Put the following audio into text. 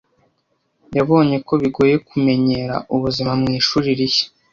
Yabonye ko bigoye kumenyera ubuzima mu ishuri rishya.